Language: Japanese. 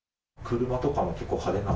車とかも結構派手な？